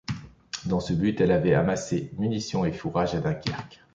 Dans ce but elle avait amassé munitions et fourrages à Dunkerque.